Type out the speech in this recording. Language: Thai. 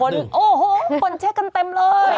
โอ้โหคนเช็คกันเต็มเลย